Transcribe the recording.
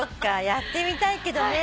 やってみたいけどね。